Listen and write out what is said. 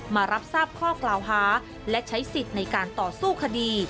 มารับทราบข้อกล่าวหาและใช้สิทธิ์ในการต่อสู้คดี